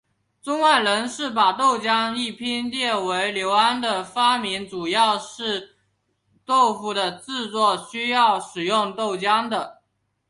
中外人士把豆浆一拼列为刘安的发明主因是豆腐的制作是需要使用豆浆的。